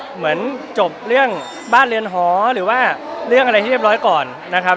เหมือนจบเรื่องบ้านเรือนหอหรือว่าเรื่องอะไรที่เรียบร้อยก่อนนะครับ